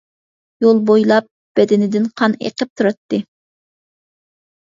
يول بويلاپ بەدىنىدىن قان ئېقىپ تۇراتتى.